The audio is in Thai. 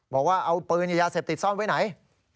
บอกว่าเอาปืนยาเสพติดซ่อนไว้ไหน